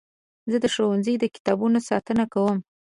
زه د ښوونځي د کتابونو ساتنه کوم.